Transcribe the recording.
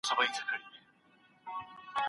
په څو ژبو پوهېدل تر مورنۍ ژبي ډېره ګټه لري.